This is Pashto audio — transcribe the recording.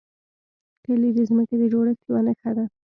کلي د ځمکې د جوړښت یوه نښه ده.